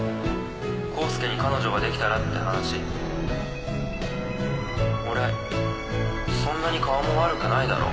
功介に彼女ができたらって話俺そんなに顔も悪くないだろ？